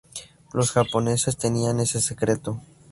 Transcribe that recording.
Los japoneses tenían ese secreto.